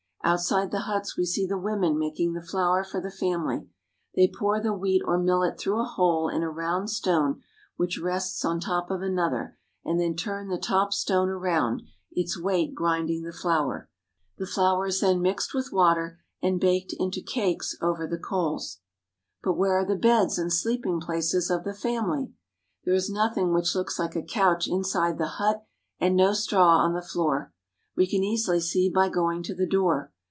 Outside the huts we see the women making the flour for the family. They pour the wheat or millet through a hole in a round stone which rests on top of another, and then turn the top stone around, its weight grinding the flour. The flour is then mixed with water and baked into cakes over the coals. 26o THE VILLAGES OF INDIA But where are the beds and sleeping places of the family ? There is nothing which looks like a couch inside the hut, and no straw on the floor. We can easily see by going to the door.